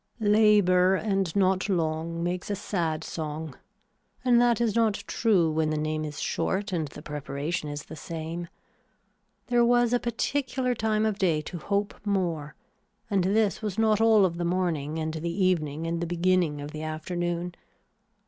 Labor and not long makes a sad song and that is not true when the name is short and the preparation is the same. There was a particular time of day to hope more and this was not all of the morning and the evening and the beginning of the afternoon.